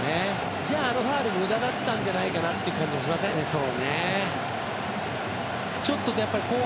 じゃあ、あのファウルは無駄だったんじゃないかという感じもしませんか。